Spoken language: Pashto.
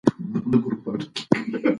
آیا تاسي د تاریخ مرصع کتاب پېژنئ؟